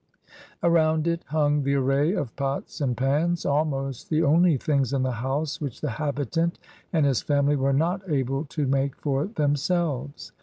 Around it hung the array of pots and pans, almost the only things in the house which the habitant and his family were not able to make for themselves.